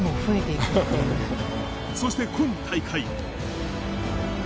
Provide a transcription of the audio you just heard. そして今大会。